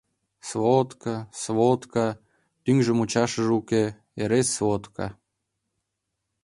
Сводка, сводка, тӱҥжӧ-мучашыже уке, эре сводка...